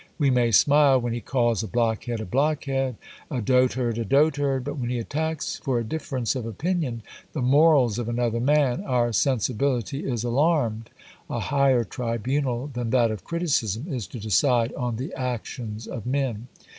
We may smile when he calls a blockhead, a blockhead; a dotard, a dotard; but when he attacks, for a difference of opinion, the morals of another man, our sensibility is alarmed. A higher tribunal than that of criticism is to decide on the actions of men.